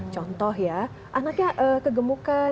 contoh ya anaknya kegemukan